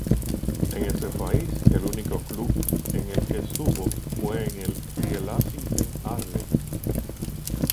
En este país, el único club en el que estuvo fue en el Rielasingen-Arlen.